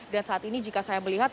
saat ini jika saya melihat